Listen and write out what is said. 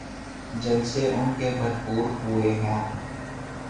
جلسے ان کے بھرپور ہوئے ہیں۔